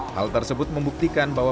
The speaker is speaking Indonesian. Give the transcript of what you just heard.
hal tersebut membuktikan bahwa